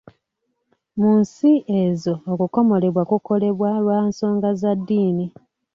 Mu nsi ezo okukomolebwa kukolebwa lwa nsonga za ddiini